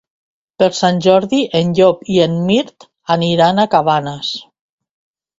Per Sant Jordi en Llop i en Mirt aniran a Cabanes.